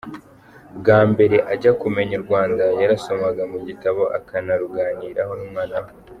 Bwa mbere ajya kumenya u Rwanda, yarusomaga mu gitabo akanaruganiraho n’umwana we.